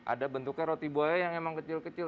ada bentuknya roti buaya yang emang kecil kecil